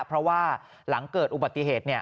เพราะว่าหลังเกิดอุบัติเหตุ